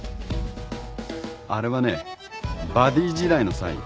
あれはねバディ時代のサイン。